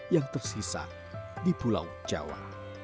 yang tersisa di pulau jawa